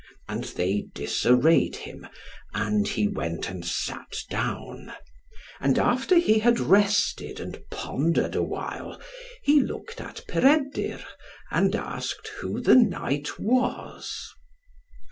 And they disarrayed him, and he went and sat down; and after he had rested and pondered awhile, he looked at Peredur, and asked who the knight was.